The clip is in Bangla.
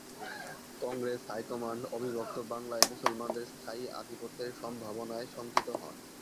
কংগ্রেস হাইকমান্ড অবিভক্ত বাংলায় মুসলমানদের স্থায়ী আধিপত্যের সম্ভাবনায় শঙ্কিত হন।